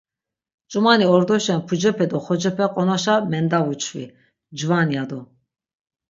Ç̆umani ordoşen pucepe do xocepe qonaşa mendavuçvi, cvan ya do.